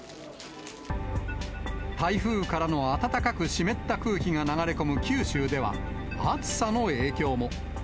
台風からの暖かく湿った空気が流れ込む九州では、暑さの影響も。